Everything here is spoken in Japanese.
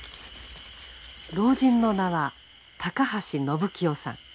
老人の名は高橋延清さん。